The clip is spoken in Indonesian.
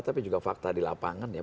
tapi juga fakta di lapangan ya